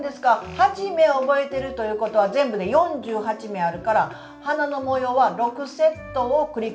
８目を覚えてるということは全部で４８目あるから花の模様は６セットを繰り返せばいいんですね。